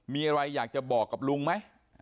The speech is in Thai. มีอะไรอยากจะบอกกับลุงไหม